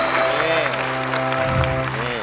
เป็นไงเพลงนี้เป็นไง